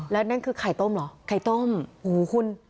แล้ว่านั่นคือไข่ต้มเหรอ